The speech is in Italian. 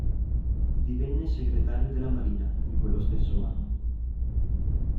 Divenne segretario della Marina in quello stesso anno.